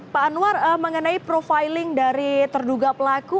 pak anwar mengenai profiling dari terduga pelaku